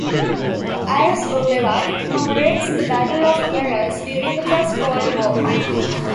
Arras Boulevard commemorates the Battle of Arras during the First World War.